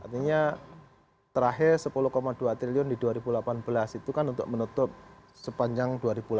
artinya terakhir sepuluh dua triliun di dua ribu delapan belas itu kan untuk menutup sepanjang dua ribu delapan belas